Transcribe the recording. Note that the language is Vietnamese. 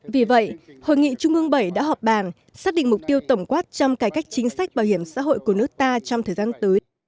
vì vậy hội nghị trung ương bảy đã họp bàn xác định mục tiêu tổng quát trong cải cách chính sách bảo hiểm xã hội của nước ta trong thời gian tới